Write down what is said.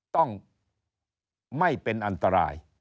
ต้องไม่เป็นอันตราย